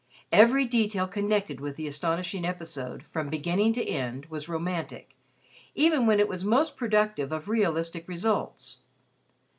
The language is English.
Every detail connected with the astonishing episode, from beginning to end, was romantic even when it was most productive of realistic results.